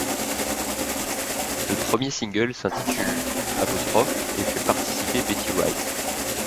Le premier single s'intitule ' et fait participer Betty Wright.